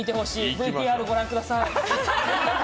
ＶＴＲ御覧ください。